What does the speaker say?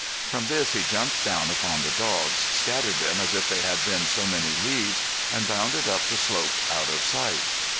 From this he jumped down among the dogs, scattered them as if they had been so many leaves, and bounded up the slope out of sight.